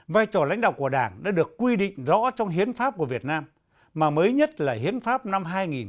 vai trò lãnh đạo của đảng đã được quy định rõ trong hiến pháp của việt nam mà mới nhất là hiến pháp năm hai nghìn một mươi ba